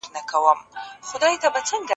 مطالعه انسان د نورو له تجربو خبروي.